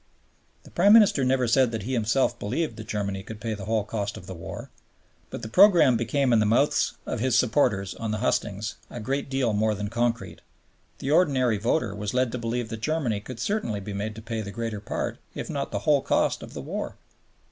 The Prime Minister never said that he himself believed that Germany could pay the whole cost of the war. But the program became in the mouths of his supporters on the hustings a great deal more than concrete. The ordinary voter was led to believe that Germany could certainly be made to pay the greater part, if not the whole cost of the war.